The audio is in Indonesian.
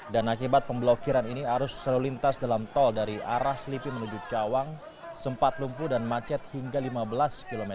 dan akibat pemblokiran ini arus selalu lintas dalam tol dari arah slipi menuju cawang sempat lumpuh dan macet hingga lima belas km